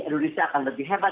indonesia akan lebih hebat